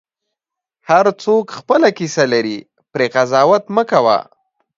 هر څوک خپله کیسه لري، پرې قضاوت مه کوه.